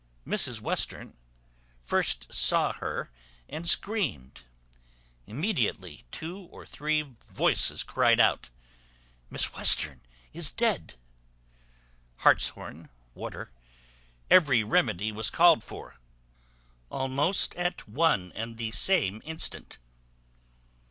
Mrs Western first saw her and screamed. Immediately two or three voices cried out, "Miss Western is dead." Hartshorn, water, every remedy was called for, almost at one and the same instant.